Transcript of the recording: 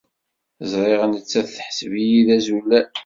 Ẓriɣ nettat teḥseb-iyi d azulal.